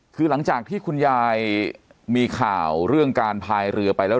คือหลังจากที่คุณยายมีข่าวเรื่องการพายเรือไปแล้ว